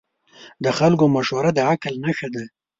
د خلکو مشوره د عقل نښه ده.